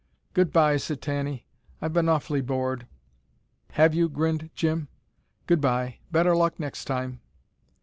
"Goodbye," said Tanny. "I've been awfully bored." "Have you?" grinned Jim. "Goodbye! Better luck next time."